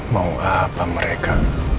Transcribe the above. mau apa mereka